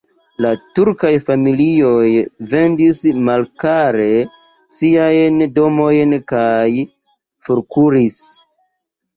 La turkaj familioj vendis malkare siajn domojn kaj forkuris.